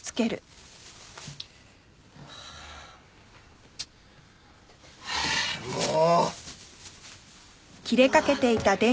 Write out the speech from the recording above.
ああもう！